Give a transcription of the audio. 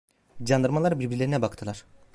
Candarmalar birbirlerine baktılar.